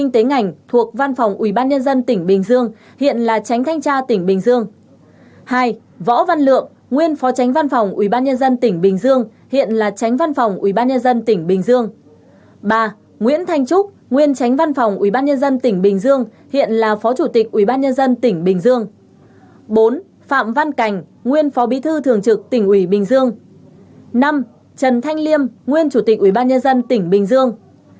năm trần thanh liêm nguyên chủ tịch ủy ban nhân dân tỉnh bình dương